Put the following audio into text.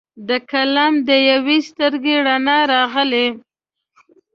د قلم د یوي سترګې رڼا راغله